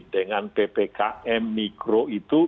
dengan ppkm mikro itu